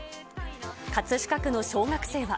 葛飾区の小学生は。